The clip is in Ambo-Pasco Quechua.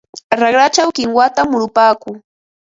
Raqrachaw kinwata murupaakuu.